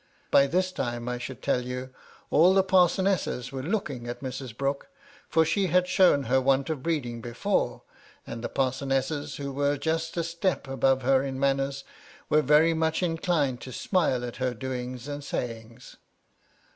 By this time, I ' should tell you, all the parsonesses were looking at ' Mrs. Brooke, for she had shown her want of breeding ' before ; and the parsonesses, who were just a step 'above her in manners, were very much inclined to ' smile at her doings and sayings.